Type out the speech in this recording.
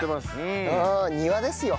庭ですよ。